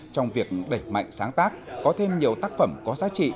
trong việc đẩy mạnh sáng tác có thêm nhiều tác phẩm có giá trị